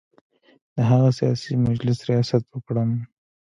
د هغه سیاسي مجلس ریاست وکړم.